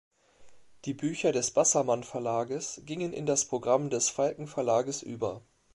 Die Bücher des Bassermann Verlages gingen in das Programm des Falken-Verlages über.